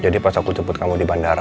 jadi pas aku jemput kamu di bandara